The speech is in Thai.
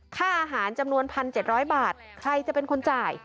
ค่าอาหารจำนวน๑๗๐๐บาทใครจะเป็นคนจ่าย